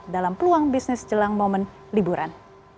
dalam peluang bisnis jelang momen liburan